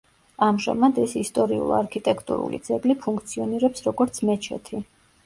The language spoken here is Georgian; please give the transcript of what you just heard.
ამჟამად ეს ისტორიულ-არქიტექტურული ძეგლი ფუნქციონირებს, როგორც მეჩეთი.